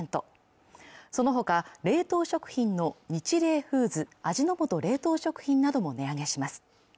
そのほか冷凍食品のニチレイフーズ味の素冷凍食品なども値上げします